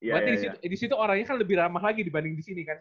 berarti disitu orangnya kan lebih ramah lagi dibanding disini kan